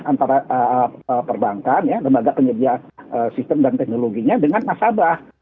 antara perbankan lembaga penyedia sistem dan teknologinya dengan nasabah